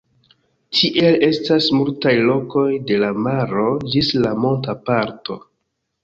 Tiel, estas multaj lokoj de la maro ĝis la monta parto.